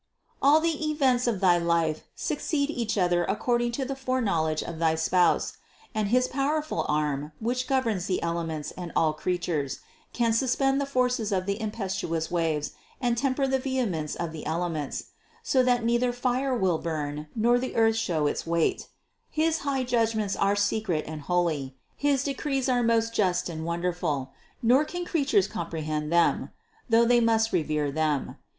All the events of thy life succeed each other according to the foreknowledge of thy Spouse; and his powerful arm, which governs the elements and all creatures, can suspend the forces of the impetuous waves and temper the vehemence of the ele ments, so that neither fire will burn nor the earth show its weight His high judgments are secret and holy, his decrees are most just and wonderful, nor can creatures comprehend them; though they must revere them.